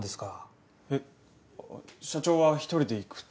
えっ？社長は一人で行くと。